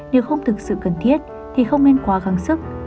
nếu không thực sự cần thiết thì không nên quá găng sức